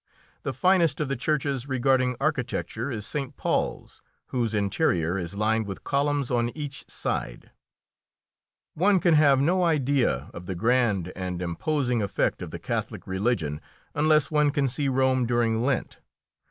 The finest of the churches regarding architecture is St. Paul's, whose interior is lined with columns on each side. One can have no idea of the grand and imposing effect of the Catholic religion unless one can see Rome during Lent.